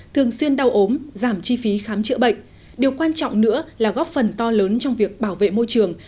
thường xuyên đau ốm giảm chi phí khám chữa bệnh điều quan trọng nữa là góp phần to lớn trong việc bảo vệ môi trường